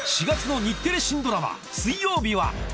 ４月の日テレ新ドラマ水曜日は！